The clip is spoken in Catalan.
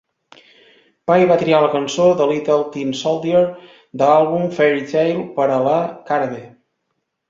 Pye va triar la cançó "The Little Tin Soldier" de l'àlbum "Fairytale" per a la cara B.